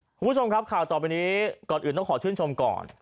คุณผู้ชมครับข่าวต่อไปนี้ก่อนอื่นต้องขอชื่นชมก่อน